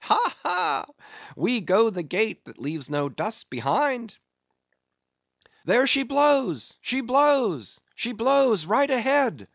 Ha, ha! we go the gait that leaves no dust behind!" "There she blows—she blows!—she blows!—right ahead!"